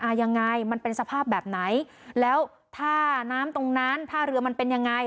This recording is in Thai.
ยังไงมันเป็นสภาพแบบไหนแล้วท่าน้ำตรงนั้นท่าเรือมันเป็นยังไง